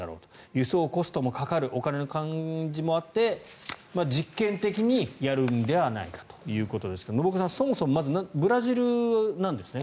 輸送コストもかかるお金の感じもあって実験的にやるのではないかということですが信岡さん、そもそもまずブラジルなんですね。